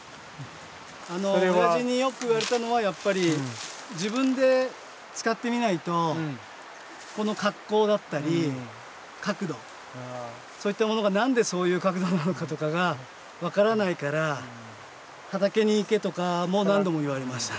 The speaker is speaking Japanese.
おやじによく言われたのはやっぱり自分で使ってみないとこの格好だったり角度そういったものが何でそういう角度なのかとかが分からないから畑に行けとかも何度も言われました。